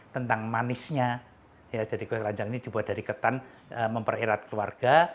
tentang manisnya jadi kue keranjang ini dibuat dari ketan mempererat keluarga